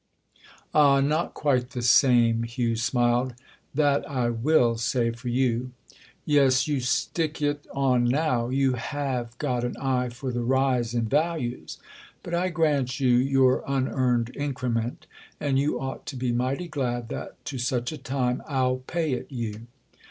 "Ah, not quite the same," Hugh smiled—"that I will say for you!" "Yes, you stick it on now—you have got an eye for the rise in values. But I grant you your unearned increment, and you ought to be mighty glad that, to such a time, I'll pay it you."